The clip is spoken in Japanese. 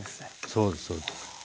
そうですそうです。